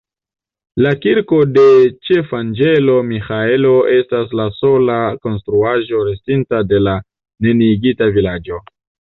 La Kirko de Ĉefanĝelo Miĥaelo estas la sola konstruaĵo, restinta de la neniigita vilaĝo.